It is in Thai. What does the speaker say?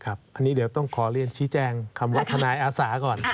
อันนี้เดี๋ยวต้องขอเรียนชี้แจงคำว่าทนายอาสาก่อน